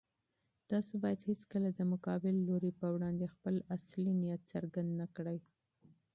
تاسو بايد هيڅکله د مقابل لوري په وړاندې خپل اصلي نيت څرګند نه کړئ.